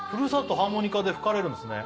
ハーモニカで吹かれるんですね